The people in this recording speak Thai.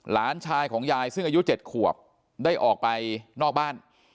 หลานชายของยายซึ่งอายุ๗ขวบได้ออกไปนอกบ้าน